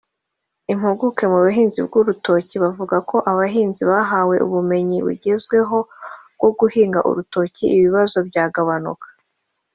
impuguke mu buhinzi bw’urutoki bavuga ko abahinzi bahawe ubumenyi bugezweho bwo guhinga urutoki ibi bibazo byagabanuka